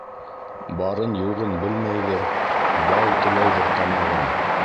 Барын-юғын белмәйҙер, бал теләйҙер тамағым.